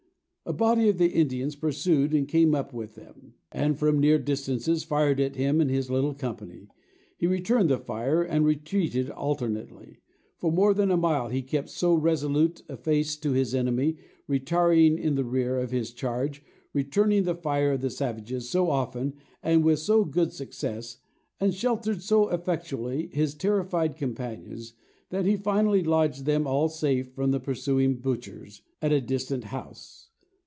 A body of the Indians pursued, and came up with him; and from near distances fired at him and his little company. He returned the fire, and retreated, alternately. For more than a mile he kept so resolute a face to his enemy, retiring in the rear of his charge, returned the fire of the savages so often, and with so good success, and sheltered so effectually his terrified companions, that he finally lodged them all safe from the pursuing butchers, in a distant house.